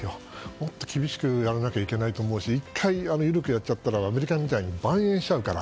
もっと厳しくやらなきゃいけないと思うし１回緩くやっちゃうとアメリカみたいにまん延しちゃうから。